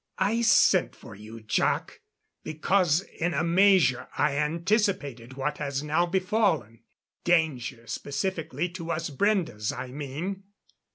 "I sent for you, Jac, because in a measure I anticipated what has now befallen. Danger specifically to us Brendes, I mean.